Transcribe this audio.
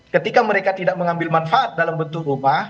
ketika mereka tidak mengambil manfaat dalam bentuk rumah